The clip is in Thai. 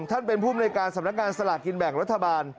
ท่านเป็นภูมิในการสำนักงานสลากกินแบ่งรัฐบาล